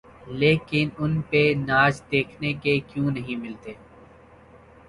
لیکن ان پہ ناچ دیکھنے کو کیوں نہیں ملتے؟